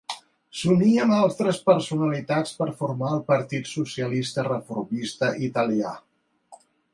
S'uní amb altres personalitats per a formar el Partit Socialista Reformista Italià.